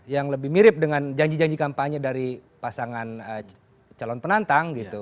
yang lebih mirip dengan janji janji kampanye dari pasangan calon penantang gitu